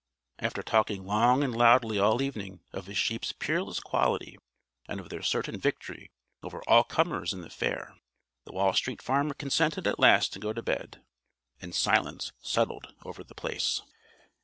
After talking long and loudly all evening of his sheep's peerless quality and of their certain victory over all comers in the fair the Wall Street Farmer consented at last to go to bed. And silence settled over The Place.